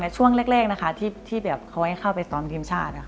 ช่วงแรกที่เขาให้เข้าไปซ้อมทีมชาติ